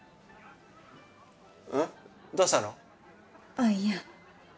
あぁいや。